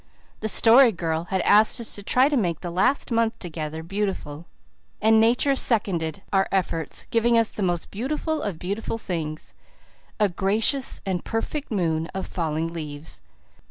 The Story Girl had asked us to try to make the last month together beautiful, and Nature seconded our efforts, giving us that most beautiful of beautiful things a gracious and perfect moon of falling leaves.